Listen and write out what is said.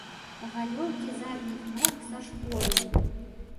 Галёнкі задніх ног са шпорамі.